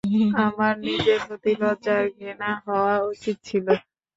আমার নিজের প্রতি লজ্জা আর ঘৃণা হওয়া উচিৎ ছিল।